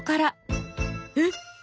えっ？